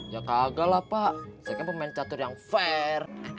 ya gagal lah pak saya kira pemain catur yang fair